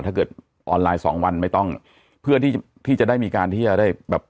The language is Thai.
ถ้าเกิดออนไลน์สองวันไม่ต้องเพื่อที่จะได้มีการที่จะได้แบบ